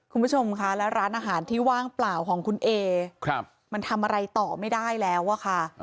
คุณผู้ชมคะและร้านอาหารที่ว่างเปล่าของคุณเอมันทำอะไรต่อไม่ได้แล้วอะค่ะ